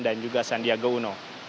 dan juga sandiaga uno